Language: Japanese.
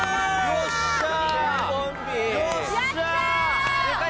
よっしゃあ！